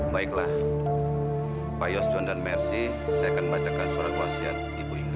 baiklah pak yosjon dan mercy saya akan bacakan surat puasian ibu ingrid